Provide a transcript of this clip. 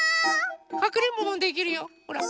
かくれんぼもできるよほら。